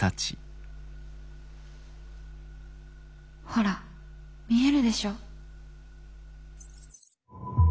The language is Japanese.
ほら見えるでしょ。